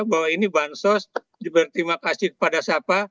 bahwa ini bansos berterima kasih kepada siapa